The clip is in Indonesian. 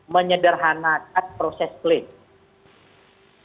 menyederhanakan proses pelayanan